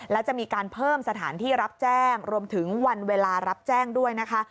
และจะมีการเพิ่มสถานที่รับแจ้งรวมถึงวันเวลารับแจ้งด้วยนะคะ